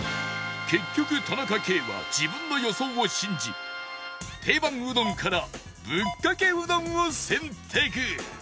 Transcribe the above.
結局田中圭は自分の予想を信じ定番うどんからぶっかけうどんを選択